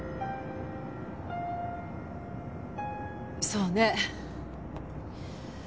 そうね。